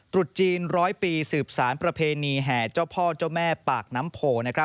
ตรุษจีน๑๐๐ปีสืบสารประเพณีแห่เจ้าพ่อเจ้าแม่ปากน้ำโพ